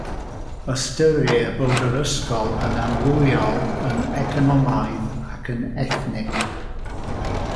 Ystyrir bod yr ysgol yn amrywiol yn economaidd ac yn ethnig.